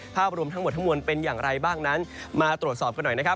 ภาพรวมทั้งหมดทั้งมวลเป็นอย่างไรบ้างนั้นมาตรวจสอบกันหน่อยนะครับ